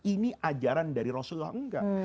ini ajaran dari rasulullah enggak